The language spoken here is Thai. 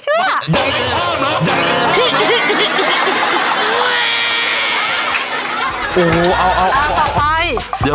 ต้องมาดูว่าพี่เนี่ย